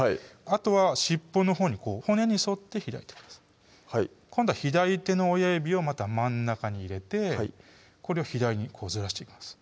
あとは尻尾のほうに骨に沿って開いてください今度は左手の親指をまた真ん中に入れてこれを左にずらしていきます